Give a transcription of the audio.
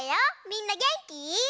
みんなげんき？